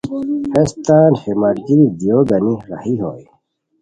ہیس تان ہے ملگیری دیوؤ گانی راہی ہوئے